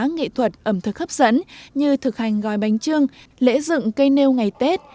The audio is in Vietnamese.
nghệ thuật ẩm thực hấp dẫn như thực hành gói bánh trưng lễ dựng cây nêu ngày tết